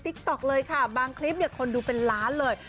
ต๊อกเลยค่ะบางคลิปเนี่ยคนดูเป็นล้านเลย